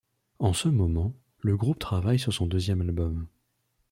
En ce moment, le groupe travaille sur son deuxième album.